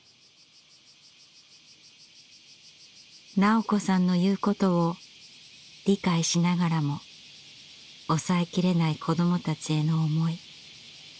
斉子さんの言うことを理解しながらも抑えきれない子どもたちへの思い。